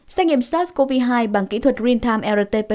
xét nghiệm sars cov hai bằng kỹ thuật rintam rt p